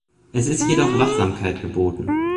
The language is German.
Es ist jedoch Wachsamkeit geboten.